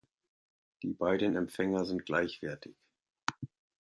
Die beiden Empfänger sind gleichwertig.